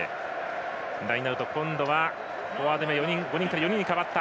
ラインアウト今度はフォワードが５人から４人に変わった。